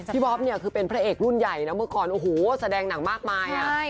พี่บ๊อบเป็นพระเอกรุ่นใหญ่เมื่อก่อนแสดงหนังมากมาย